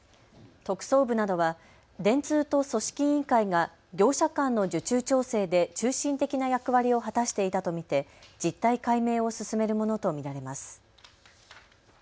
特捜部などは電通と組織委員会が業者間の受注調整で中心的な役割を果たしていたと見て、実態解明を進めるものと見られます。